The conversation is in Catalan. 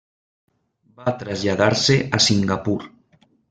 Va traslladar-se a Singapur.